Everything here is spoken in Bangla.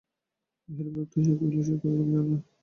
বিহারী বিরক্ত হইয়া কহিল, সে কথা তুমি জান না, আমি জানি?